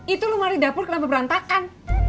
itu lu mali dapur kenapa berantakan